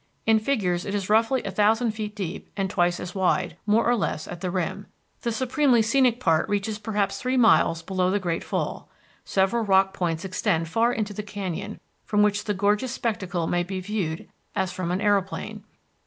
In figures it is roughly a thousand feet deep and twice as wide, more or less, at the rim. The supremely scenic part reaches perhaps three miles below the Great Fall. Several rock points extend far into the canyon, from which the gorgeous spectacle may be viewed as from an aeroplane.